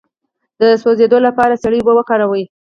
د سوځیدو لپاره سړې اوبه وکاروئ